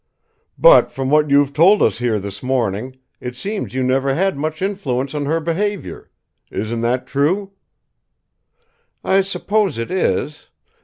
"But, from what you've told us here this morning, it seems you never had much influence on her behaviour. Isn't that true?" "I suppose it is.